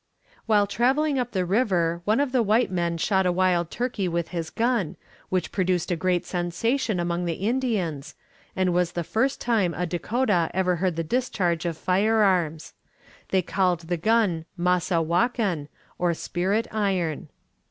While traveling up the river one of the white men shot a wild turkey with his gun, which produced a great sensation among the Indians, and was the first time a Dakota ever heard the discharge of firearms. They called the gun Maza wakan, or spirit iron.